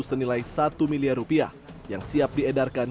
yang sudah di print ditempelkan